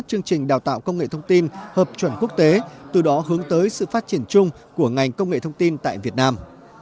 chương trình đào tạo công nghệ thông tin hợp chuẩn quốc tế từ đó hướng tới sự phát triển chung của ngành công nghệ thông tin tại việt nam